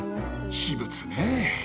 私物ねぇ。